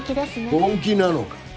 本気なのか？